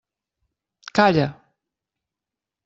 Calla!